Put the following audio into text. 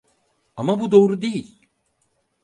Ama bu doğru değil.